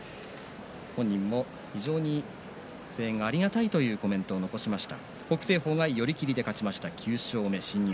本人も非常に声援がありがたいというコメントを残しました。